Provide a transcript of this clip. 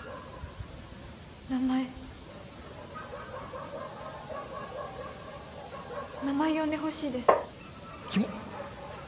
名前名前呼んでほしいですきもっ！